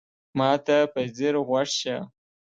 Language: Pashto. ما ته په ځیر غوږ شه !